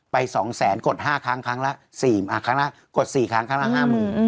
ไป๒แสนกด๕ครั้งครั้งละ๔ครั้งละ๕หมื่น